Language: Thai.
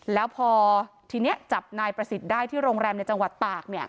แล้วพอทีนี้จับนายประสิทธิ์ได้ที่โรงแรมในจังหวัดตาก